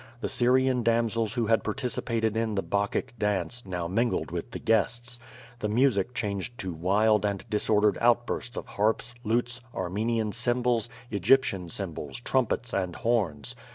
The Syrian damsels who had participated in the Bacchic dance, now mingled witli the guests. The music changed to wild and disordered outbursts of harps, lutes, Armenian cymbals, Egyptian cymbals, trumpets and horns.